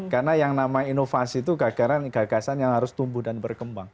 karena yang namanya inovasi itu gagasan yang harus tumbuh dan berkembang